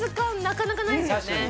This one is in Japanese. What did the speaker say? なかなかないですもんね